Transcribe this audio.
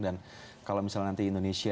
dan kalau misalnya nanti indonesia